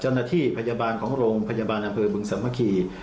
เจ้าหน้าที่พยาบาลของโรงพยาบาลอำเภอบึงสามัคคี